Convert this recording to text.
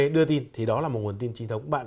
đưa tin thì đó là một nguồn tin trinh thống bạn